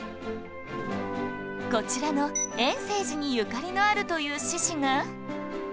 こちらの円政寺にゆかりのあるという志士が